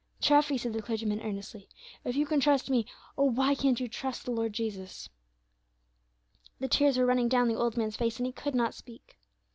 "Treffy," said the clergyman, earnestly, "if you can trust me, oh, why can't you trust the Lord Jesus?" The tears were running down the old man's face, and he could not speak.